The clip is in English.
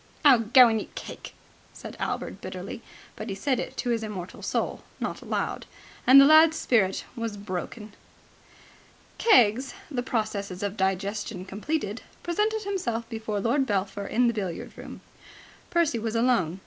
"Oh, go and eat cake!" said Albert bitterly. But he said it to his immortal soul, not aloud. The lad's spirit was broken. Keggs, the processes of digestion completed, presented himself before Lord Belpher in the billiard room. Percy was alone.